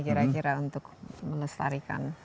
kira kira untuk melestarikan